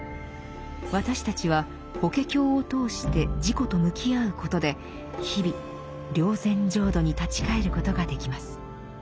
私たちは「法華経」を通して自己と向き合うことで日々「霊山浄土」に立ち返ることができます。